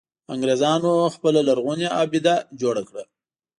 انګرېزانو خپله لرغونې آبده جوړه کړه.